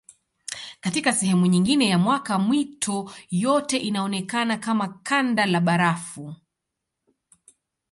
Katika sehemu nyingine ya mwaka mito yote inaonekana kama kanda la barafu.